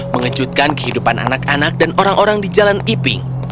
mengejutkan kehidupan anak anak dan orang orang di jalan iping